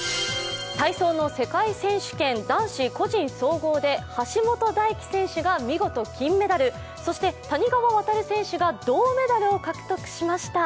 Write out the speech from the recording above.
体操の世界選手権、男子個人総合で橋本大輝選手が見事金メダル、そして谷川航選手が銅メダルを獲得しました。